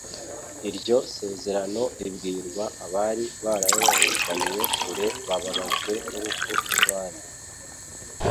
iryo sezerano ribwirwa abari bararorongotaniye kure bababajwe n'urupfu rw'Umwami.